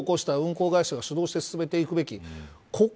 事故を起こした運航会社が主導して進めていくべき。